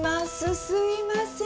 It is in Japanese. すいません。